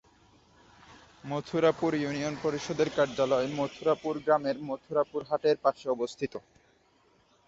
Mathurapur union পরিষদের কার্যালয় মথুরাপুর গ্রামের মথুরাপুর হাটের পাশে অবস্থিত।